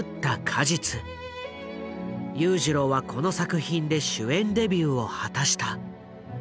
裕次郎はこの作品で主演デビューを果たした。